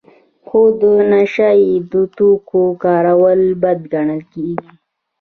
خو د نشه یي توکو کارول بد ګڼل کیږي.